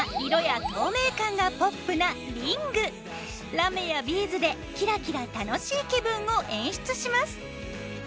ラメやビーズでキラキラ楽しい気分を演出します。